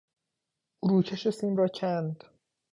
او روکش سیم را کند.